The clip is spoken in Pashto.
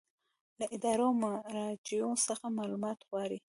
له ادارو او مراجعو څخه معلومات غواړي.